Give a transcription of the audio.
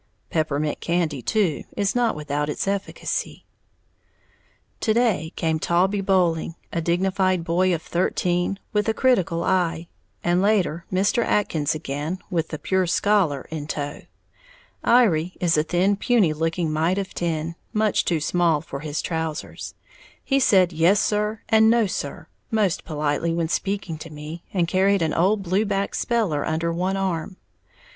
Peppermint candy, too, is not without its efficacy. To day came Taulbee Bolling, a dignified boy of thirteen, with a critical eye, and later, Mr. Atkins again, with the "pure scholar" in tow. Iry is a thin, puny looking mite of ten, much too small for his trousers. He said "Yes sir" and "No sir" most politely when speaking to me, and carried an old blue back speller under one arm.